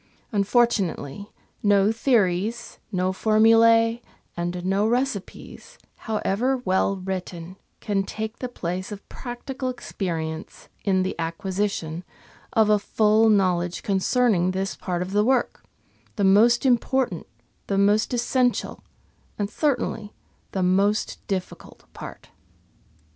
Unfortunately, no theories, no formulae, and no recipes, however well written, can take the place of practical experience in the acquisition of a full know ledge concerning this part of the work — the most important, the most essential, and certainly the most difficult part.